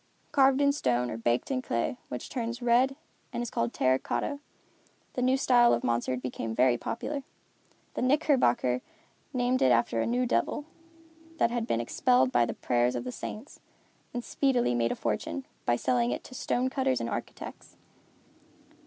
Carved in stone, or baked in clay, which turns red and is called terra cotta, the new style of monster became very popular. The knickerbocker named it after a new devil, that had been expelled by the prayers of the saints, and speedily made a fortune, by selling it to stone cutters and architects.